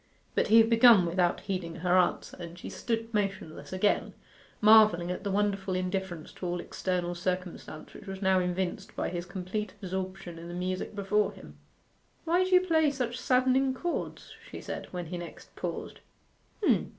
But he had begun without heeding her answer, and she stood motionless again, marvelling at the wonderful indifference to all external circumstance which was now evinced by his complete absorption in the music before him. 'Why do you play such saddening chords?' she said, when he next paused.